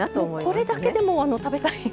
これだけでも食べたい。